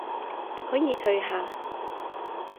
可以退下